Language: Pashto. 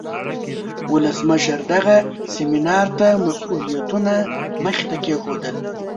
ولسمشر دغه سیمینار ته مسئولیتونه مخې ته کیښودل.